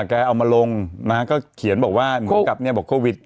แกเอามาลงนะฮะก็เขียนบอกว่าเหมือนกับเนี่ยบอกโควิด